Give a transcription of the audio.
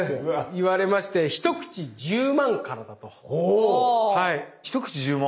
言われまして「１口１０万からだ」と。１口１０万。